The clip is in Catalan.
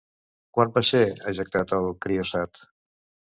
Quan va ser ejectat el CryoSat?